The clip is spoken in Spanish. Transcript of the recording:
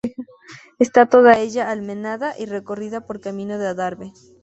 Está toda ella almenada y recorrida por camino de adarve.